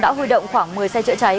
đã huy động khoảng một mươi xe chữa cháy